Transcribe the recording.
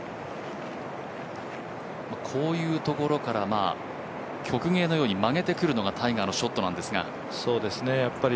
こういうところから曲芸のように曲げてくるのがタイガーのショットなんですが。